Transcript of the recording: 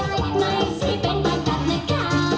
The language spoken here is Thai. ต้องเลือกเลยว่างไหล่